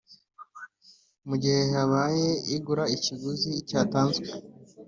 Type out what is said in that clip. Mu gihe habaye igura ikiguzi cyatanzwe